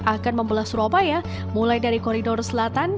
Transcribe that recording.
akan membelah surabaya mulai dari koridor selatan